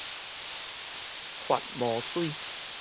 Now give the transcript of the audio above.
發毛水